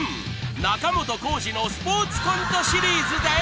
仲本工事のスポーツコントシリーズです！］